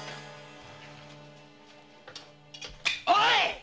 おい！